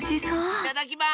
いただきます！